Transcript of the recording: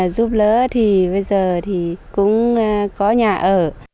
giúp lỡ thì bây giờ thì cũng có nhà ở